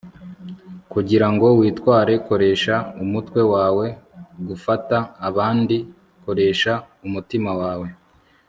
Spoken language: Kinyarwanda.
kugira ngo witware, koresha umutwe wawe; gufata abandi, koresha umutima wawe